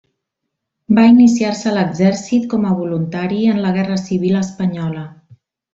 Va iniciar-se a l'exèrcit com a voluntari en la guerra civil espanyola.